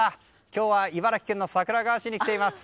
今日は、茨城県の桜川市に来ています。